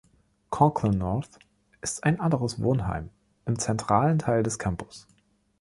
Conklin North ist ein anderes Wohnheim im zentralen Teil des Campus.